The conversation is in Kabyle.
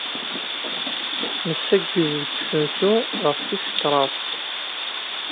Nessaggez deg usensu ɣef tis kraḍt.